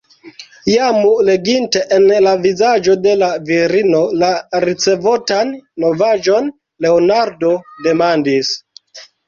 Jam leginte en la vizaĝo de la virino la ricevotan novaĵon, Leonardo demandis: